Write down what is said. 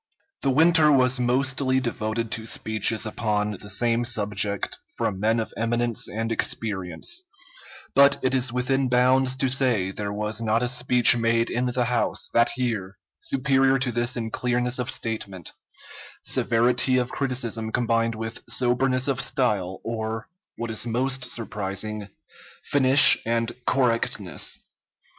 The winter was mostly devoted to speeches upon the same subject from men of eminence and experience, but it is within bounds to say there was not a speech made in the House, that year, superior to this in clearness of statement, severity of criticism combined with soberness of style, or, what is most surprising, finish and correctness.